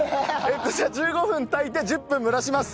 こちら１５分炊いて１０分蒸らします。